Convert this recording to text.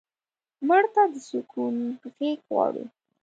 مړه ته د سکون غېږ غواړو